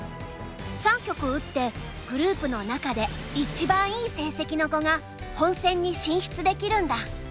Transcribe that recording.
３局打ってグループの中で一番いい成績の子が本戦に進出できるんだ。